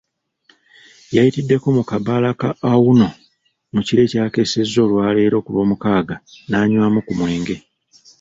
Yayitiddeko mu Kabaala ka Auno mu kiro ekyakeesezza olwaleero ku Lwokuna nanywamu ku mwenge.